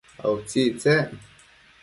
a utsictsec?